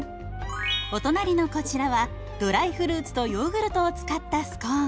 お隣のこちらはドライフルーツとヨーグルトを使ったスコーン。